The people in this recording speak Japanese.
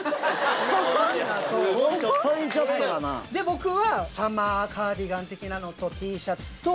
僕はサマーカーディガンとＴシャツと。